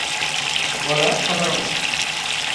গলা সাদা রঙের।